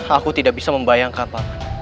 aku tidak bisa membayangkan